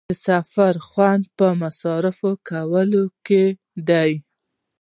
د سفر خوند پر مصارفو کولو کې دی.